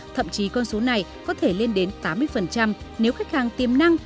thậm chí con số này có thể lên đến tám mươi nếu khách hàng tiềm năng